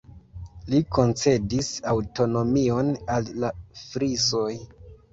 Li koncedis aŭtonomion al la Frisoj.